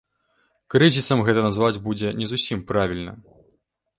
Крызісам гэта назваць будзе не зусім правільна.